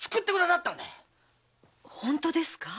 本当ですか？